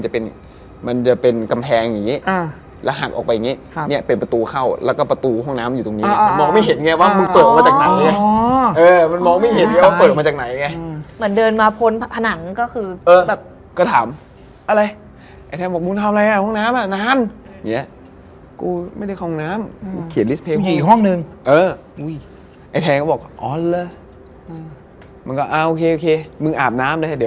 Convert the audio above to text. พี่เคยเห็นรู้ว่าที่มันมีเหล็กที่เป็นซี่